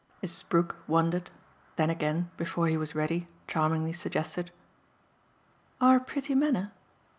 Mrs. Brook wondered, then again, before he was ready, charmingly suggested: "Our pretty manner?"